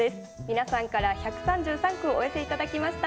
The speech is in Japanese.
皆さんから１３３句をお寄せ頂きました。